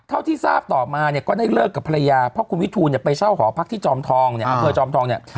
เท่าที่ทราบต่อมาเนี่ยก็ได้เลิกกับภรรยาเพราะคุณวิทูลเนี่ยไปเช่าหอพักที่จอมทองเนี่ยอำเภอจอมทองเนี่ย